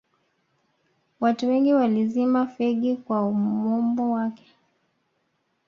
watu wengi walizima fegi kwa umombo wake